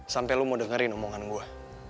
sampai lo mau dengerin omongan gue